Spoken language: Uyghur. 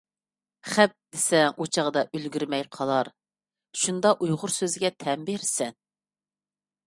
«خەپ» دېسەڭ ئۇچاغدا ئۈلگۈرمەي قالار، شۇندا ئۇيغۇر سۆزىگە تەن بىرىسەن.